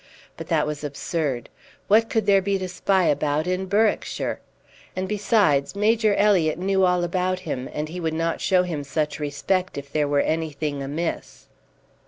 But that was absurd. What could there be to spy about in Berwickshire? And besides, Major Elliott knew all about him, and he would not show him such respect if there were anything amiss.